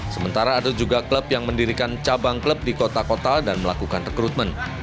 sementara ada juga klub yang mendirikan cabang klub di kota kota dan melakukan rekrutmen